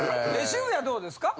渋谷どうですか？